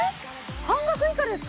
半額以下ですか？